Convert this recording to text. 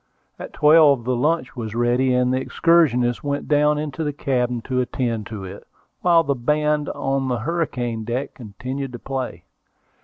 At twelve the lunch was ready, and the excursionists went down into the cabin to attend to it, while the band on the hurricane deck continued to play.